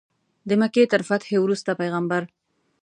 د مکې تر فتحې وروسته پیغمبر.